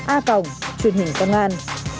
a phòng truyền hình công an